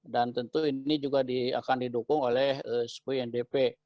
dan tentu ini juga akan didukung oleh supuyo ndp